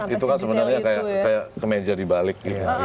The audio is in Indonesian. itu kan sebenarnya kayak kemeja dibalik